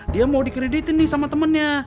dia mau dikreditin nih sama temennya